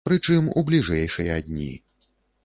Прычым, у бліжэйшыя дні.